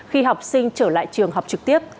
khi học sinh trở lại trường học trực tiếp